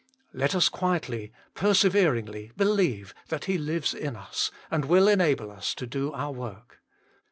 Let us quietly, perseveringly believe that He lives in us, and will enable us to do our work.